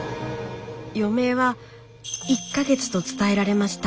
余命は１か月と伝えられました。